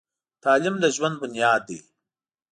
تعلیم د ژوند بنیاد دی.